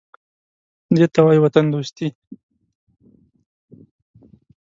_دې ته وايي وطندوستي.